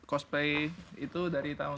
saya cosplay itu dari tahun dua ribu tujuh